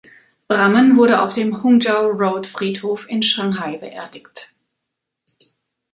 Brammen wurde auf dem Hungjao-Road-Friedhof in Shanghai beerdigt.